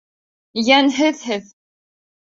Йәнһеҙ һеҙ!...